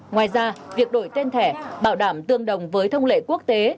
ngoài ra việc đổi tên thẻ bảo đảm tương đồng với thông lệ quốc tế